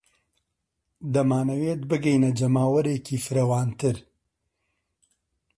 دەمانەوێت بگەینە جەماوەرێکی فراوانتر.